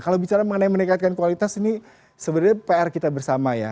kalau bicara mengenai meningkatkan kualitas ini sebenarnya pr kita bersama ya